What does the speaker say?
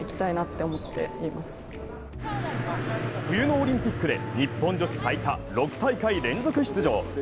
冬のオリンピックで日本女子最多６大会連続出場。